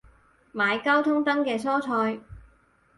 買交通燈嘅蔬菜